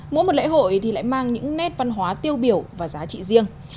mỗi một lễ hội thì lại mang những nét văn hóa tiêu biểu và giá trị riêng